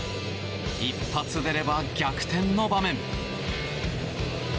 一発出れば逆転の場面。